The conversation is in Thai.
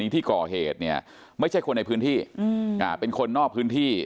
ที่ก่อเหตุเนี่ยไม่ใช่คนในพื้นที่เป็นคนนอกพื้นที่